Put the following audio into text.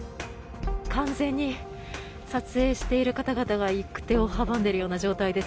完全に撮影している方々が行く手を阻んでいるような状態です。